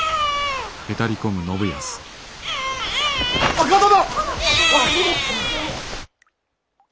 若殿！